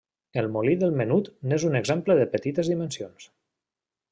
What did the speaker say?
El Molí del Menut n'és un exemple de petites dimensions.